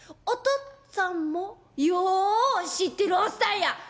おとっつぁんもよう知ってるおっさんや」。